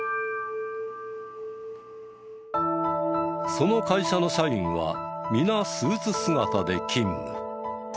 その会社の社員は皆スーツ姿で勤務。